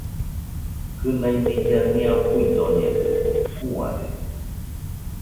Kɨnai nilla nia fuidoñedɨkue, juarede.